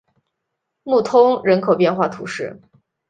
穆通人口变化图示